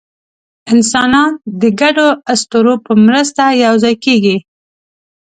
انسانان د ګډو اسطورو په مرسته یوځای کېږي.